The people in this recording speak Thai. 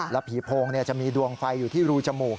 แล้วผีโพงเนี่ยจะมีดวงไฟอยู่ที่รูจมูก